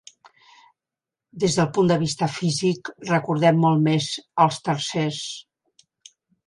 Des del punt de vista físic, recorden molt més als tarsers.